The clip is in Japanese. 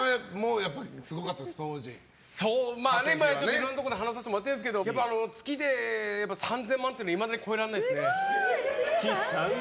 いろんなところで話させてもらってるんですけど月で３０００万っていうのはいまだに超えらんないですね。